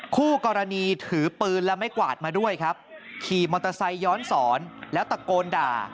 คู่กรณีถือปืนและไม่กวาดมาด้วยครับขี่มอเตอร์ไซค์ย้อนสอนแล้วตะโกนด่า